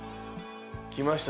きました！